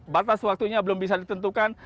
batas waktunya belum bisa ditentukan